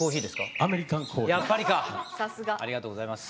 ありがとうございます。